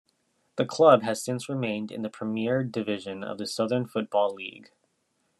The club has since remained in the Premier Division of the Southern Football League.